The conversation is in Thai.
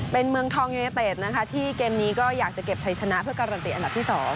เป็นเมืองทองยูเนเต็ดนะคะที่เกมนี้ก็อยากจะเก็บชัยชนะเพื่อการันตีอันดับที่๒